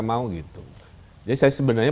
mau gitu jadi saya sebenarnya